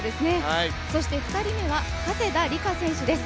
そして２人目は加世田梨花選手です。